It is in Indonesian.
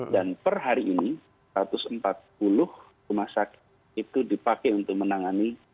dan per hari ini satu ratus empat puluh rumah sakit itu dipakai untuk menangani